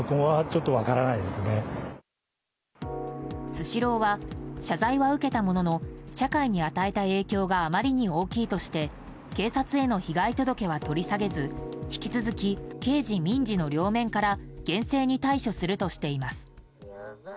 スシローは謝罪は受けたものの社会に与えた影響があまりに大きいとして警察への被害届は取り下げず引き続き刑事・民事の両面から厳正に対処するとしています。